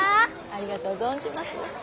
ありがとう存じます。